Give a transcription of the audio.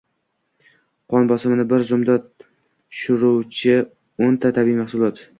Qon bosimini bir zumda tushiruvchio´nta tabiiy mahsulot